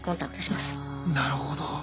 なるほど。